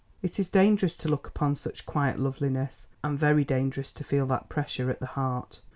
It is dangerous to look upon such quiet loveliness, and very dangerous to feel that pressure at the heart.